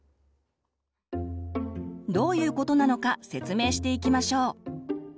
どういうことなのか説明していきましょう。